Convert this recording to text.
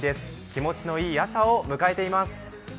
気持ちのいい朝を迎えています。